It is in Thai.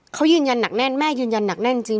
เขายืนยันหนักแน่นแม่ยืนยันหนักแน่นจริง